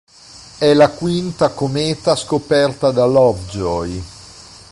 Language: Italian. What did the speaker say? È la quinta cometa scoperta da Lovejoy.